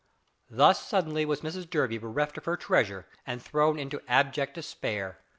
Thus suddenly was Mrs Durby bereft of her treasure and thrown into abject despair.